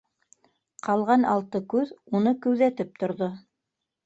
Ҡалған алты күҙ уны күҙәтеп торҙо.